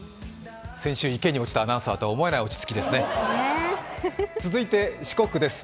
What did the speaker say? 先週、池に落ちたアナウンサーとは思えない落ち着きですね。